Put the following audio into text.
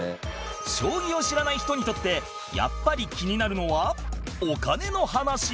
将棋を知らない人にとってやっぱり気になるのはお金の話